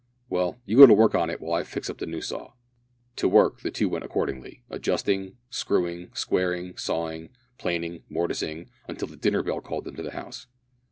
"Well, you go to work on it while I fix up the new saw." To work the two went accordingly adjusting, screwing, squaring, sawing, planing, mortising, until the dinner bell called them to the house.